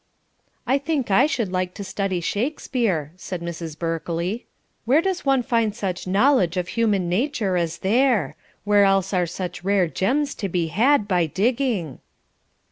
"I think I should like to study Shakespeare," said Mrs. Berkeley. "Where does one find such knowledge of human nature as there? Where else are such rare gems to be had by digging?"